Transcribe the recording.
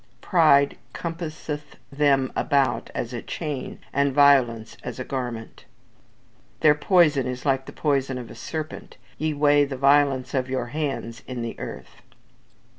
"Pride compasseth them about as a chain, and violence as a garment." "Their poison is like the poison of a serpent. Ye weigh the violence of your hands in the earth."